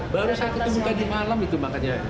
baru saat itu tadi malam itu makanya